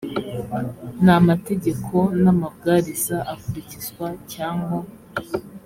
n amategeko n amabwariza akurikizwa cyangwa